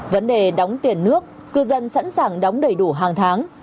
vấn đề đóng tiền nước cư dân sẵn sàng đóng đầy đủ hàng tháng